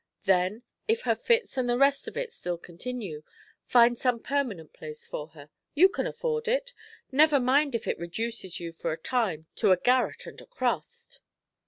Then, if her fits and the rest of it still continue, find some permanent place for her. You can afford it. Never mind if it reduces you for a time to a garret and a crust."